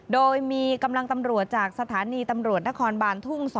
โดยมีกำลังตำรวจจากสถานีตำรวจนครบานทุ่ง๒